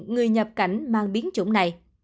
người nhập cảnh mang biến chủng này